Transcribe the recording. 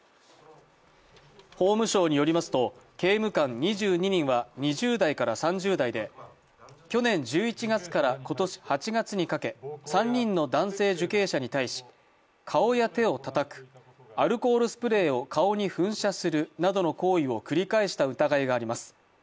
法務省によりますと刑務官２２人は２０代から３０代で去年１１月から今年８月にかけ３人の男性受刑者に対し、顔や手をたたく、アルコールスプレーを顔に噴射するなどの行為を繰り返した疑いがあります。